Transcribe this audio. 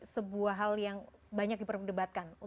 sebuah hal yang banyak diperdebatkan